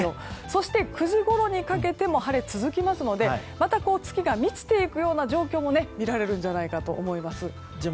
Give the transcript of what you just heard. そして、９時ごろにかけても晴れが続きますのでまた月が満ちていくような状況も見られるんじゃないかと思います。